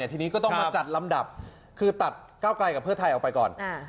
ทีนี้ก็ต้องมาจัดลำดับคือตัดก้าวไกลกับเพื่อไทยออกไปก่อน